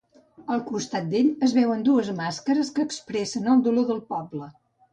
Al costat d'ell es veuen dues màscares que expressen el dolor del poble.